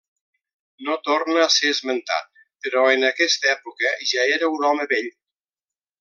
No torna a ser esmentat, però en aquesta època ja era un home vell.